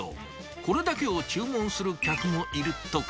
これだけを注文する客もいるとか。